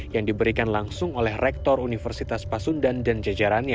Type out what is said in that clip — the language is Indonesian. yang diberikan langsung oleh rektor universitas pasundan dan jajarannya